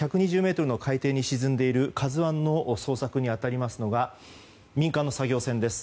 １２０ｍの海底に沈んでいる「ＫＡＺＵ１」の捜索に当たりますのが民間の作業船です。